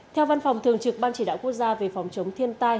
theo văn phòng thường trực ban chỉ đạo quốc gia về phòng chống thiên tai